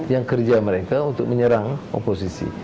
yang kerja mereka untuk menyerang oposisi